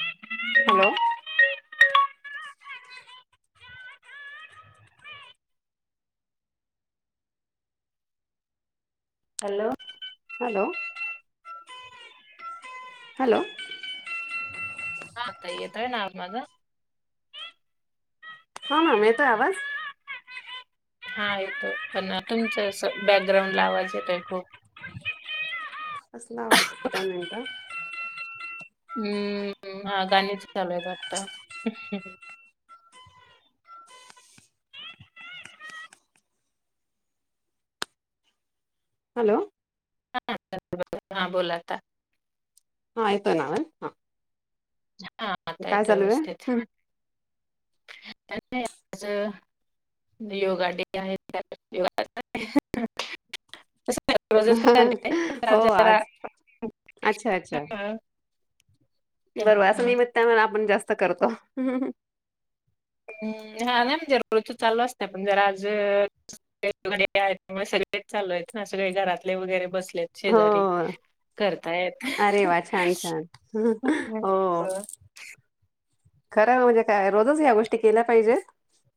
ऐक minute hello hello. Hello! Hello हा ताई येतोनां आवाज माझा. - हो मम येतोय आवाज. - हा येतोयं पणं तुमचं बॅकग्राउंड लां आवाज येतोय खूप. - असला आवाज दोन मिनट. - हम्मं हां गाणींच चालूं आहे वाटंत अह. - हॅलोओ. - हा हा बोला आता. - हां येतों नां आंवाज हां हा आंता येतों व्यवस्थित आ त्यांत. कायं आजं. - ते योगा आलेकी आहे, त्यांत योग. - रोजच [inaudible] हो आज बरं असं निमित्तानं आपणं जास्तं करतों. - अहा नाही जर तू चालू असत पण जरा आज. - ते चालूं आहे सासूबाईं घरांतले वगैरे बसलेतं आहे हो शेजारी. - करता येत. अरे वा छान छान - हो खरं म्हणजे कायं रोजचं ह्या गोष्टी केल्यां पाहिजे.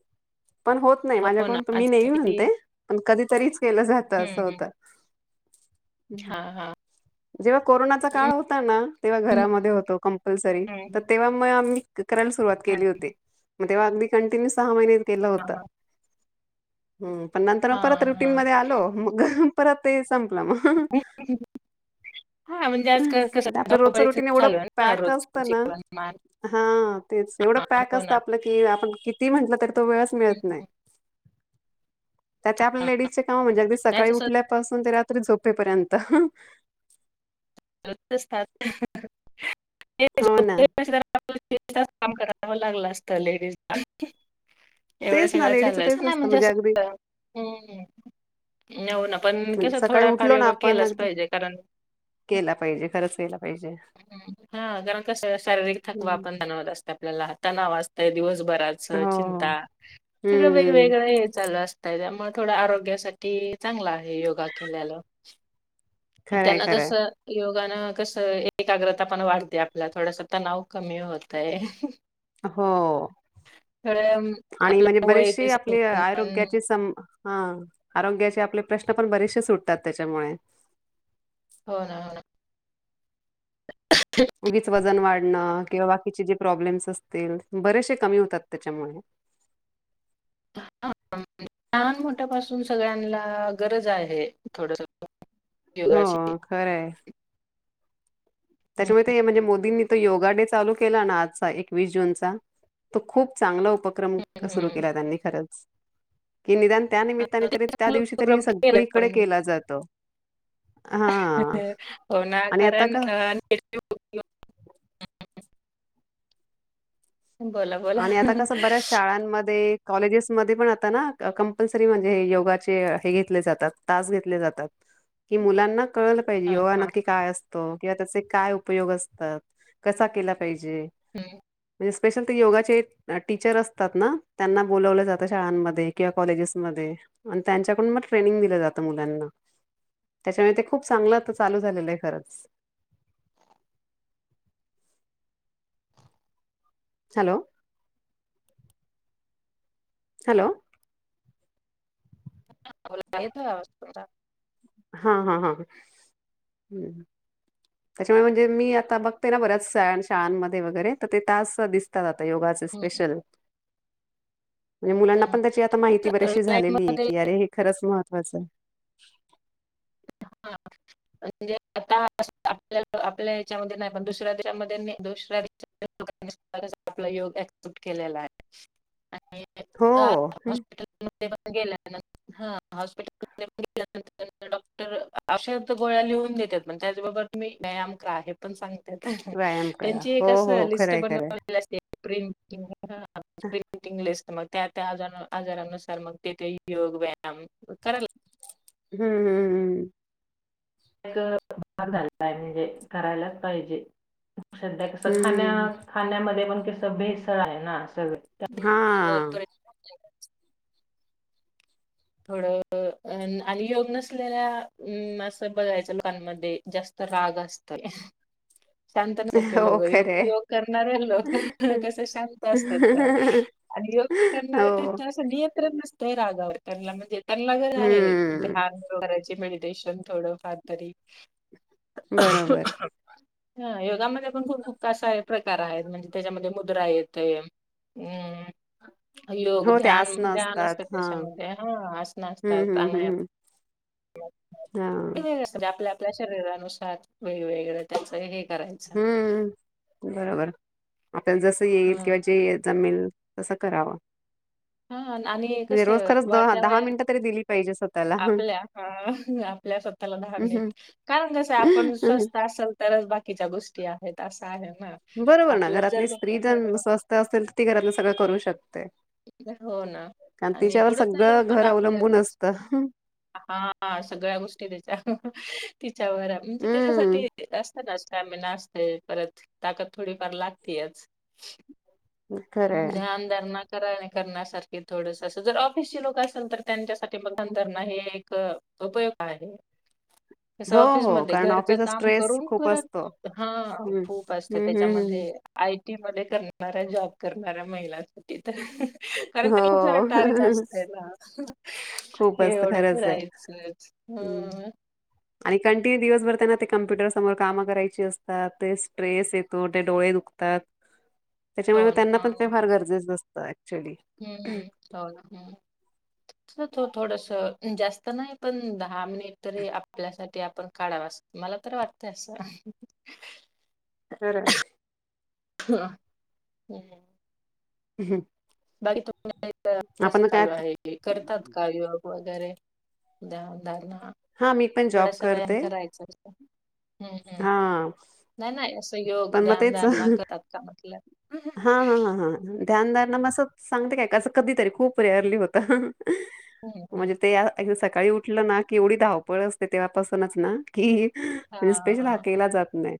- पणं होतं नाहीं हो ना माझ्यांकडून मी नेहमी आजसाठी म्हणते पणं कधीतरीच केलं जातं असं होतं. - हां हां जेंव्हा कोरोनाचा काळ होता नां तेंव्हा घरांमध्ये होतों. कंपल्सरी हम्म तरं तेंव्हा मंग आम्हीं. - करायला सुरुवात केली हम्म. होती. मग तेव्हा अगदी कंटिन्यू सहा महिन्यात गेलं. हा - हा. हम पणं नंतर हा मंग परत रुटीन हा. मध्यें आलों. मंग परत ते संप. - हा म्हणजे [inaudible] आजकाल कसं [unintelligible] आपल रोजचं धावपळीच रूटीग एवढं चालू आहे ना पॅक रोजचं असतं नां. जीवनमान - हा तेचं एवढं हा पॅक हो असतं ना. आपलं कि आपणं किती म्हटलं तरी तो वेळचं मिळतं नाहीं. हम्म, - तर त्यां आपल्या हा. लेडीजचे कामं म्हणजे अगदीं नाही सकाळीं तसं उठल्यापासून ते रात्री झोपे. - झोपे पर्यंत. - [inaudible] [unintelligible] तांस हो ना कामं करावं लागलंय असतं लेडीजला. - एवढं तेच ना सगळं लेडीजचं चाललं तेच नाही असतं म्हणजे अगदी असं. - नेऊन पणं म्हणजे कसं सकाळी थोडंफार उठलो ना योगा आपण केलाचं पाहिजे कारणं. - केला पाहिजे खरंच केला पाहिजे हा कारण कस शारीरिक थकवा हम्म. पण जानवत असते आपल्याला हात. - तां नां वाजतंय दिवसभराच हो हो. चिंता सगळंच हम्म वेगवेगळं हे चालूं असतंय त्यामुळें. - थोडां आरोग्यांसांठी चांगला आहे. योगां केल्याल. - खरंय त्यांना खरंय कसं योग. - दका कसं एकाग्रता पणं वाढते आपल्यां थोडंसं तणाव कमी होतेय. - होव्. थोडं - आणि म्हणजे आपलं वय ते बरीेचसे आपले पण आरोग्याची सम - हा आरोग्याचे आपले प्रश्न पणं बरेचसे सुटतांत. त्यांच्यामुळे. - होनां नांआं. - उगीच वजन वाढ नं किंवा बाकीचे जे प्रॉब्लेम्स असतील बरेशे कमी होतात त्याच्यामुळे. [inaudible] ह लहान मोठ्यापासून सगळ्यांनला गरज आहे थोडंसं हां खरं आहे. हम्म त्याच्यामुळे ते म्हणजे मो दींनी तो योगा डे चालू केला ना आजचा एकवीस जूनचा तो खूप चांगला उपक्रम सुरू हम्म. केला त्यांनी खरंच. कि निदान त्यानिमित्ताने तरी त्या चांगलं दिवशी तरी केलं सगळीकडे पण केला जातो. हा हो ना आणि आता कारण क अ [unintelligible] बोला, बोला. आणि आता कसं बऱ्याच शाळांमध्ये कॉलेजेस मध्ये पण आता ना कंपल्सरी म्हणजे हे योगाचे हे घेतले जातात तास घेतले जातात. कि मुलांना कळलं पाहिजे हां, योगा हां. नक्की काय असतो किंवा त्याचे काय उपयोग असतात कसा केला पाहिजे. जे हं. म्हणजे स्पेशल योगाचे टीचर असतात ना त्यांना बोलावलं जात शाळांमध्ये किंवा कॉलेजेसमध्ये. आणि त्यांच्याकडून मग ट्रेनिंग दिलं जातं मुलांना. त्याच्यामुळे ते खूप चांगलं आत्ता चालू झालेलं आहे खरंच. [inaudible] [unintelligible] हॅलो हॅलो हा बोला येतोय आवाज तुमचा? हा हा हा ह हम्म त्याच्यामुळे म्हणजे मी आता बघते ना बऱ्याच शाळांमध्ये वगैरे तर ते तास दिसतात. ते योगाचे हं, स्पेशल. म्हणजे मुलांना हां. पण त्याची आता माहिती कसं बरीचशी झालेली आहे लाईफमध्ये की अरे हे खरंच महत्त्वाचं आहे. [unintelligible] हां, [inaudible] म्हणजे आता आपल्या आपल्या याच्यामध्ये नाही पण दुसऱ्या देशांमध्ये आप योग सुट केलेला आहे. हो ते पण गेल्यांतर हा हॉस्पिटलनंतर डॉक् तर औषध गोळ्या लिहून देतात पण त्याचबरोबर तुम्ही व्यायाम करा हे पण सांग त्यात व्यायाम करा त्यांची हो एक हो असं हो, लिस्ट खरंय खरंय. बनवलेली असते. प्रिंटिंग हां प्रिंटिंग लिस्ट मध त्या- त्या आज आजारानुसार मग ते ते योग व्यायाम करायला हम्म हम्म हम्म एक झाय म्हणजे करायलाच पाहिजे. सध्या कसं हम्म हम्म खाण्या हम्म खाण्यामध्ये पण कसं भेसळ आहे ना. सगळं. ते हेल्थवर हां परिणाम थोडं आणि योग नसलेल्या अं असं बघायचं लोकांमध्ये जास्त राग असतोय ह शांत नसतात ते लोकं योग योग करणारे लोकं कसं शांत असतात आणि योग न करणारे हो त्यांच असं नि यंत्रण नसतय रागावर त्यांना म्हणजे त्यांना गरज आहे हम्म ध्यान करायची मेडीटेशन थोडंफार तरी बरोबर हा योगामध्ये पण खूप खूप कसा आहे प्रकार आहेत म्हणजे त्याच्यामध्ये मुद्रा येते अम् अ... योग हो ते ध्यान आसनं ध्यान असतात असतं हा. त्याच्यामध्ये हा आसनं असतात हम्म हम्म प्राणायाम हम्म हम्म हा वेगवेगळे असतं म्हणजे आपल्या आपल्या शरीरानुसार वेगवेगळं त्याचं हे करायचं. हम्म बरोबर जसं येईल हं. किंवा जे जमेल तसं करावं आणि म्हणजे रोज कसं खरंच द वाढत्या दहा वया मिनिटं तरी दिली पाहिजे स्वतःला. आपल्या अ.. आपल्या स्वतः दहा हम्म मिनिट.. कारण कसं आपण हम्म स्वस्थ असल तरच बाकीच्या गोष्टी आहेत असं आहे ना. बरोबर ना आपलंच जर घरातली स्त्री करतो जर हं. स्वस्थ असेल तर ती घरातलं सगळं करू शकते हो ना. कारण आणि तिच्यावर सगळं घर अवलंबून असतं हा सगळ्या गोष्टी त्याच्या तिच्यावर म्हणजे हम्म त्याच्यासाठी असतं [inaudible] परत ताकद थोडीफार लागतीयच खरंय ध्यान धरणं करा आणि करण्यासारखे थोडसं असं जर ऑफिसची लोक असेल तर त्यांच्यासाठी ध्यान धरणं हे एक उपयोग आहे जसं हो हो ऑफिसमध्ये कारण घरचं ऑफिसचा काम स्ट्रेस करून खूप परत असतो. काम हम्म खूप असते हम्म हम्म त्याच्यामध्ये हे हम्म आयटी मध्ये करणाऱ्या.. जॉब करणाऱ्या महिलांसाठी ते तर आहेस कारण त्यांना खूप सारं टार्ग हो असतय ना खूप हे असतं एवढं खरंच आहे. करायचंच हम्म आणि कंटिन्यू दिवसभर त्यांना ते कम्प्युटर समोर कामं करायची असतात ते स्ट्रेस येतो ते डोळे दुखतात त्याच्यामुळे हो मग त्यांना पण ते फार गरजेचं नसतं हम्म हम्म हो हम्म कसं थोडसं जास्त नाही पण दहा मिनिट तरी आपल्यासाठी आपण काढावाच मला तर वाटतं असं बरं ह हम् हम् हम् बाकी तुमच्या इथं कसं चालू आहे करतात का योग वगैरे ध्यान धारणा हा मी पण जॉब थोडासा व्यायाम करते करायचा जरा हा नाही नाही असं योग पण मग ध्यान तेच धारणा हा करतात का म्हटलं ध्यान धारणा मग सांगते काय... असं कधीतरी खूप रेअरली होतं हम्म म्हणजे ते [inaudible] सकाळी उठलं ना की एवढी धावपळ असते तेव्हापासूनच ना की हा [inaudible] हा केला जात नाही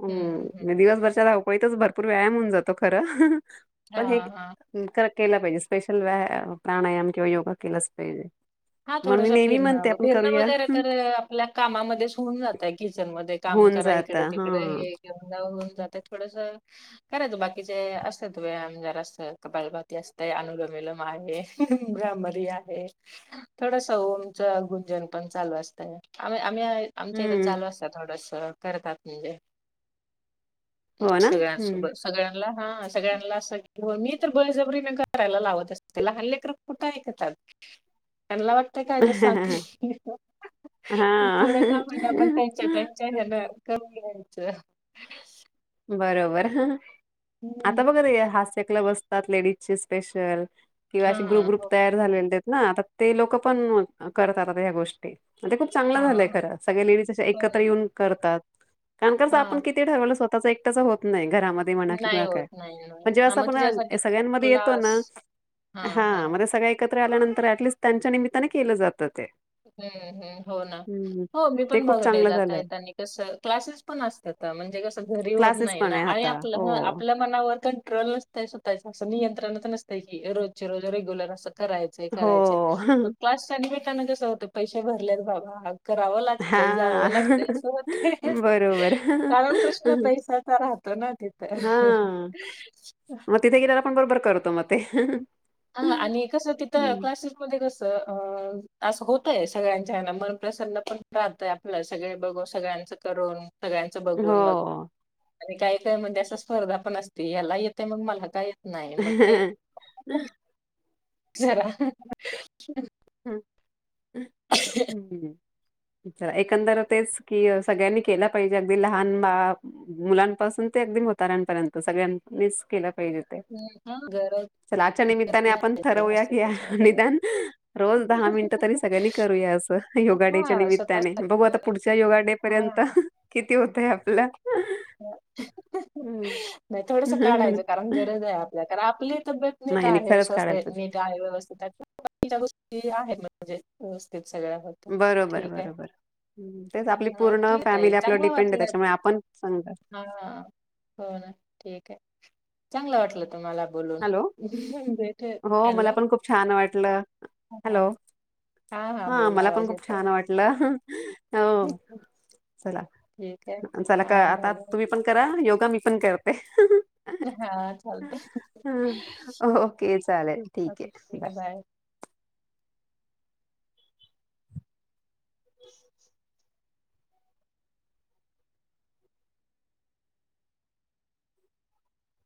हम्म दिवसभरच्या धावपळीतच भरपूर व्यायाम होऊन जातो खरं हा पण हे हा केलं पाहिजे स्पेशल व्यायाम प्राणायाम किंवा योगा केलाच पाहिजे हा मग मी थोडसं नेहमी म्हणते फिरणं आपण फिरणं करूया वगैरे हं. तर आपल्या कामामध्येच होऊन जातं की किचन मध्ये काम होऊन करा जात इकडं हा तिकडं हे घेऊन जा हे होऊन जातं थोडसं करायच बाकीचे असतात व्यायाम जरासं कपालभाती असतंय जर अनुलम विलम आहे [inaudible] आहे थोडस ओमचं गुंजन पण चालू असतं आ आम्ही आमच्या इथं हम्म चालू असतात थोडसं बरोबर करतात म्हणजे हो ना हम्म सगळ्यांसोबत, सगळ्यांना हा सगळ्यांना असं हो मी तर बळजबरीनं करायला, लावत असते लहान लेकरं कुठे ऐकतात. त्यांना वाटतं [unintelligible] काहीतरी सांगती हा थोड्या कामाला पण त्यांच्या, त्यांच्या ह्याला कमी हाय तर [unintelligible] बरोबर हं हं आता हम्म बघा ना ते हास्य कलब असतात लेडीजचे स्पेशल किंवा हा अशे ग्रुप, ग्रुप हो तयार झालेले ना, आता ते लोकं पण करतात आता ह्या गोष्टी ते खूप चांगलं हा झालंय खरं, सगळे लेडीज असे हो एकत्र ना येऊन करतात. कारण कस हा आपण किती ठरवलं स्वतःच एकटाच होत नाही. घरामध्ये म्हणा नाही किंवा होत काय नाही नाही म्हणजे हा असं मग आपण त्याच्यासाठी सगळ्यांमध्ये येतो ना, क्लास हा म सगळ्या एकत्र आल्यानंतर, अऍटलिस्ट त्यांच्या निमितताने केलं जात. हम्म ह् [unintelligible] हो ना हम्म हो मी ते पण खूप बघत हे चांगलं जाता झालंय येत आणि कस क्लासेस पण असतात. म्हणजे कस घरी होत क्लासेस नाही पण ना, आहे आणि ह आता आपल, हो आपल्या मनावर कंट्रल नसत्या [unintelligible] सोव्हता असतंय की रोज रोज रेग्युलर असं करायचंय करायचय हो मग त्याच क्षणी ना जसं होतं पैसे भरल्यात बाबा करावं लागतय हां. जावं लागतय असं होतय बरोबर. कारण कृष्ण पैसाचा राहत तो ना तिथ. हां. त म ते. हा आणि कसं तिथं हं. क्लासेस मध्ये कसं अ असं होतय सगळ्यांच्याना मन प्रसन्न पण राहतय आपला सगळे बघून सगळ्यांचं करून. सगळ्यांचं बघून मग हो. आणि काही काय म्हणजे अश्या स्पर्धा पण असते याला येतंय मग मला का येत नाही मग ते जरा [unintelligible] हम हम्म. च एकंदर तेच कि सगळ्यांनी केलं पाहिजे अगदी लहान बा मुलांपासून ते अगदी म्हाताऱ्या पर्यंत सगळ्यांनी केल. हां. गरज चला आच्या निमित्ताने आपण गरज ठरवूया असते की त्याच्यामध्ये. निदान ज दहा मिनट तरी सगळ्यांनी करूया असं योगा डेच्या हां, निमित्ताने स्वतःसाठी. बघू आता पुढच्या योगा डे हां. पर्यंत किती होतय आपल्या नाही थोडस काढायचं कारण गरज आहे आपल्य कारण आपली तब्येत नीट नाही नाही आहे खरंच काढायला शसेत पाहिजे. नीट आहे बाकीच्या गोष्टी आहेत म्हणजे व्यवस्थित सगळ्या होत बरोबर ठीक आहे बरोबर तेच आपली हा, पूर्ण ठीक आहे ताई फॅमिली आपल्या चांगलं डिपेंड आहे वाटलं त्याच्यामुळे आपण सांगतात. हा हो ना ठीक आहे चांगलं वाटलं. तुम्हाला बोलून हॅलो [inaudible] हो मला हॅलो पण खूप छान वाटलं. हा हॅलो हा बोला मला पण आवाज खूप येत छान आहे वाटलं हो चला ठीक आहे चला का हा बाय आता बाय तुम्ही पण करा योग मी पण करते हा चालतय हं, ओके चालेल ठीक आहे बाय. [unintelligible]